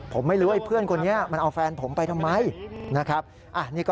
ผมไม่รู้ไอ้เพื่อนคนนี้มันเอาแฟนผมไปทำไม